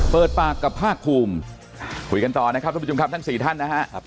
เปิดปากกับภาคภูมิคุยกันต่อนะครับทุกผู้ชมครับทั้ง๔ท่านนะครับ